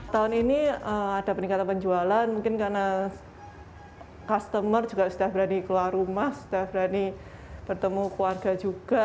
tahun ini ada peningkatan penjualan mungkin karena customer juga sudah berani keluar rumah sudah berani bertemu keluarga juga